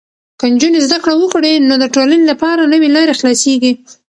که نجونې زده کړه وکړي، نو د ټولنې لپاره نوې لارې خلاصېږي.